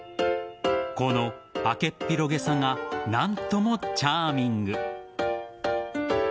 この開けっ広げさが何ともチャーミング。